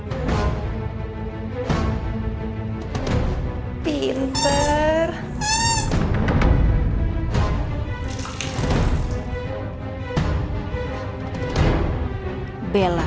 ya tante itu mbak bella